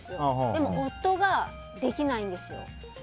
でも、夫ができないんですよ。